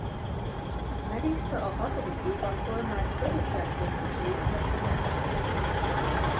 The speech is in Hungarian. Melissa a hatodik évadtól már producerként is részt vett a gyártásában.